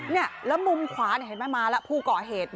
แล้วมุมขวามีมาแล้วผู้เกาะเหตุ